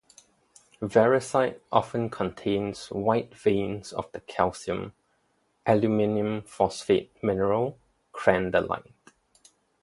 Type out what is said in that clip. Variscite often contains white veins of the calcium aluminium phosphate mineral crandallite.